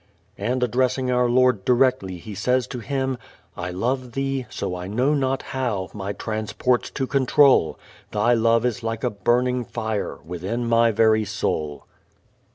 And addressing our Lord directly he says to Him: I love Thee so, I know not how My transports to control; Thy love is like a burning fire Within my very soul.